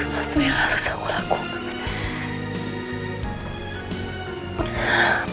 tapi harus aku lakukan